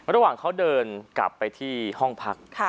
ระหว่างเขาเดินกลับไปที่ห้องพัก